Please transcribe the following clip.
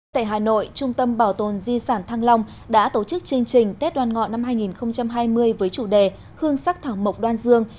tại hà nội trung tâm bảo tồn di sản thăng long đã tổ chức chương trình tết đoàn ngọ năm hai nghìn hai mươi với chủ đề hương sắc thảo mộc đoan dương